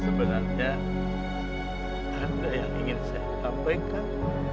sebenarnya ada yang ingin saya sampaikan